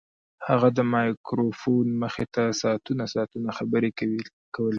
هغه د مایکروفون مخې ته ساعتونه ساعتونه خبرې کولې